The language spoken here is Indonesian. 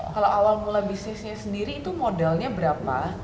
kalau awal mula bisnisnya sendiri itu modalnya berapa